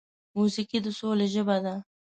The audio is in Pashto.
موسیقي د سولې ژبه ده.